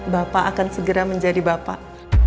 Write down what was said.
bapak akan segera menjadi bapak